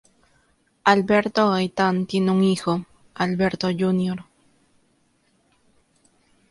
Alberto Gaitán tiene un hijo, Alberto Jr.